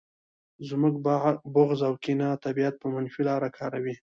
زموږ بغض او کینه طبیعت په منفي لاره کاروي